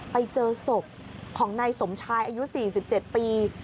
ไปเจอศพของนายสมชายอายุ๔๗ปี